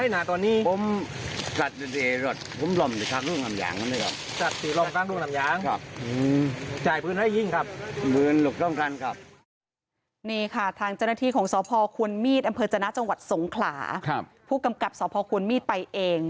นี่ค่ะทางเจ้าหน้าที่ของสพควนมีดอจนสงข์ผู้กำกับสพควนมีดไปเอง